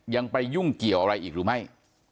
ยังไปยุ่งเกี่ยวอะไรอีกหรือไม่